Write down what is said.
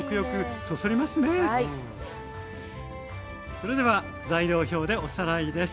それでは材料表でおさらいです。